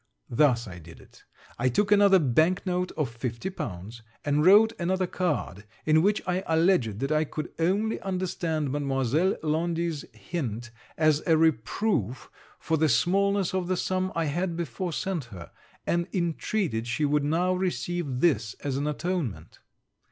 Thus I did it. I took another bank note of 50l. and wrote another card, in which I alledged that I could only understand Mademoiselle Laundy's hint as a reproof for the smallness of the sum I had before sent her, and intreated she would now receive this as an atonement.